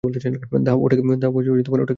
দাও ওটাকে ফেলে।